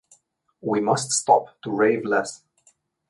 We must stop to rave less.